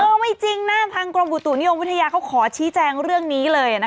ไม่จริงนะทางกรมอุตุนิยมวิทยาเขาขอชี้แจงเรื่องนี้เลย